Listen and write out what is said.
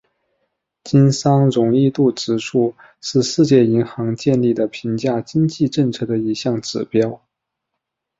经商容易度指数是世界银行建立的评价经济政策的一项指标。